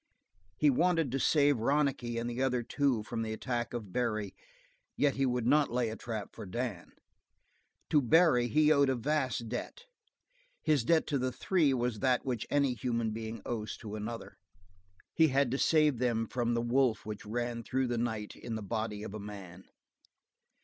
He wanted to save Ronicky and the other two from the attack of Barry, yet he would not lay a trap for Dan. To Barry he owed a vast debt; his debt to the three was that which any human being owes to another. He had to save them from the wolf which ran through the night in the body of a man.